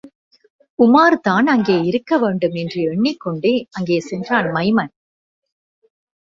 உமார்தான் அங்கே இருக்க வேண்டும் என்று எண்ணிக் கொண்டே, அங்கே சென்றான் மைமன்.